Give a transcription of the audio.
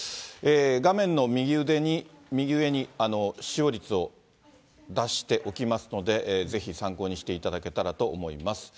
画面の右上に使用率を出しておきますので、ぜひ参考にしていただけたらと思います。